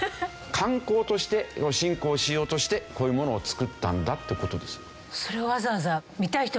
観光として振興をしようとしてこういうものを作ったんだって事です。